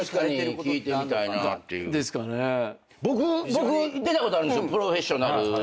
僕出たことあるんですよ『プロフェッショナル』